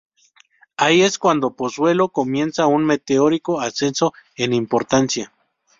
Ahí es cuando Pozuelo comienza un meteórico ascenso en importancia.